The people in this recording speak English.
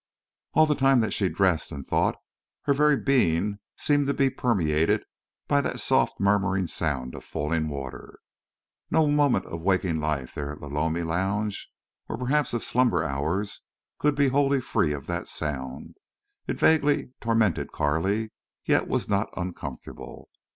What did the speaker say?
All the time that she dressed and thought, her very being seemed to be permeated by that soft murmuring sound of falling water. No moment of waking life there at Lolomi Lodge, or perhaps of slumber hours, could be wholly free of that sound. It vaguely tormented Carley, yet was not uncomfortable.